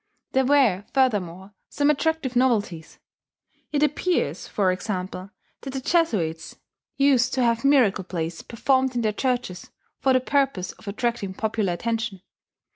There were furthermore some attractive novelties. It appears, for example, that the Jesuits used to have miracle plays performed in their churches for the purpose of attracting popular attention....